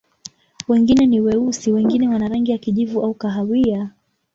Wengine ni weusi, wengine wana rangi ya kijivu au kahawia.